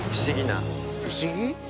不思議？